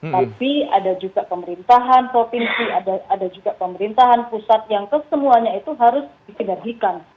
tapi ada juga pemerintahan provinsi ada juga pemerintahan pusat yang kesemuanya itu harus disinergikan